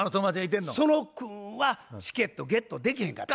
その子はチケットゲットできへんかった。